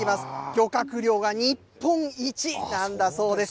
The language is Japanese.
漁獲量が日本一なんだそうです。